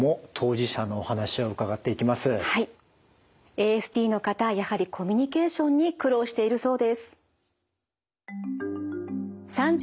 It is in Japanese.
ＡＳＤの方やはりコミュニケーションに苦労しているそうです。